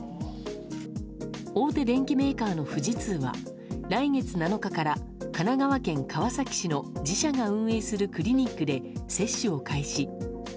大手電機メーカーの富士通は来月７日から神奈川県川崎市の自社が運営するクリニックで接種を開始。